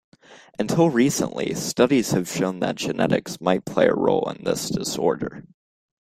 Until recently, studies have shown that genetics might play a role in this disorder.